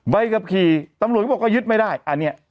ไว้กับขี่ตำหลวงก็บอกว่ายึดไม่ได้อ่าเนี้ย